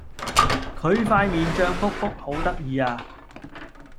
佢塊面脹畐畐好得意呀